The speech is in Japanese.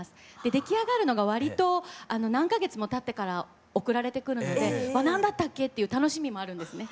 で出来上がるのが割と何か月もたってから送られてくるので何だったっけ？っていう楽しみもあるんですね。